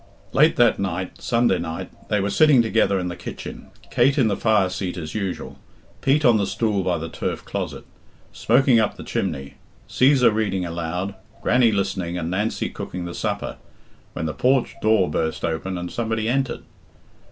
Late that night Sunday night they were sitting together in the kitchen, Kate in the fire seat as usual, Pete on the stool by the turf closet, smoking up the chimney, Cæsar reading aloud, Grannie listening, and Nancy cooking the supper, when the porch door burst open and somebody entered.